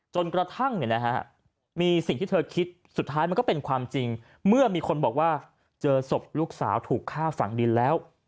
จนกระทั่งมีสิ่งที่เธอคิดสุดท้ายมันก็เป็นความจริงเมื่อมีคนบอกว่าเจอศพลูกสาวถูกฆ่าฝังดินแล้ว